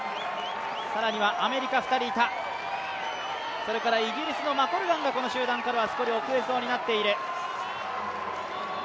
更にはアメリカ２人、イギリスのマコルガンがこの集団から遅れそうになっている。